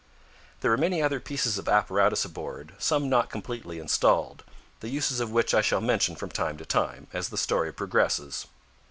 There were many other pieces of apparatus aboard, some not completely installed, the uses of which I shall mention from time to time, as the story progresses.